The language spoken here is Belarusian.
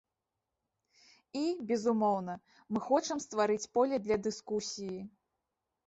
І, безумоўна, мы хочам стварыць поле для дыскусіі.